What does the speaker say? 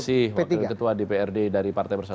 masih waktu ketua dprd dari partai persatuan